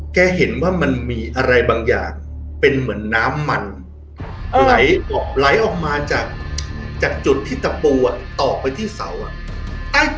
แกเห็นว่ามันมีอะไรบางอย่างเป็นเหมือนน้ำมันไหลออกไหลออกมาจากจุดที่ตะปูอ่ะออกไปที่เสาอ่ะ